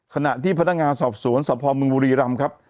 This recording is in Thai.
ขณะที่พนักงานสอบศูนย์สอบภอมเมืองบุรีรำครับ